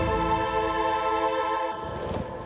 mas kamu sudah pulang